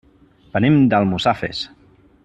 Venim d'Almussafes.